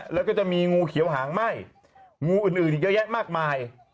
แล้วก็จะมีงูเขียวหางไหม้วูอื่นอีกเยอะแยะมากมาย